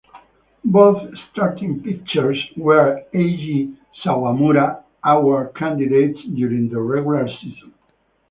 Both starting pitchers were Eiji Sawamura Award candidates during the regular season.